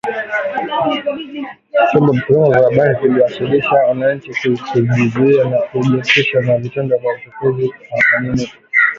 Vyomo vya habari viliwasihi wananchi kujizuia na kujiepusha na vitendo vya uchokozi, kwa maneno na vitendo